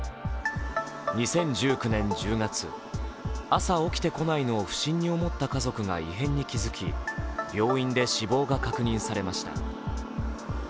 ２０１９年１０月、朝起きてこないのを不審に思った家族が異変に気付き、病院で死亡が確認されました。